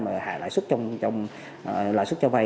mà hạ lãi suất cho vay